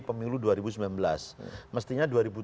pemilu dua ribu sembilan belas mestinya